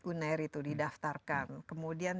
unair itu di daftarkan kemudian